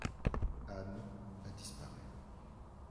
Anne a disparu.